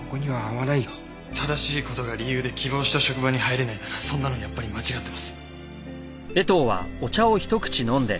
正しい事が理由で希望した職場に入れないならそんなのやっぱり間違ってます。